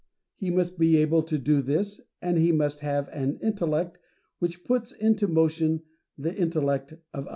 He must be able to do this, and he must have an intellect which puts into motion the intellect of others.